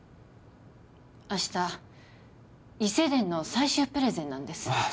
明日伊勢電の最終プレゼンなんですあっ